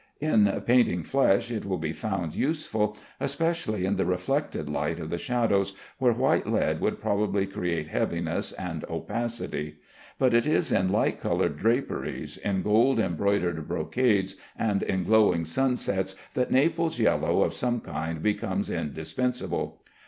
In painting flesh it will be found useful, especially in the reflected light of the shadows, where white lead would probably create heaviness and opacity; but it is in light colored draperies, in gold embroidered brocades, and in glowing sunsets that Naples yellow of some kind becomes indispensable.